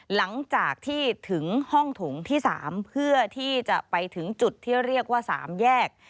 หลังจากที่ถึงห้องถงที่๓เพื่อที่จะไปถึงจุดที่เรียกว่า๓แยก